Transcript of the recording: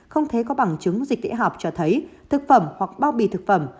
không thể có bằng chứng dịch vệ hợp cho thấy thực phẩm hoặc bao bì thực phẩm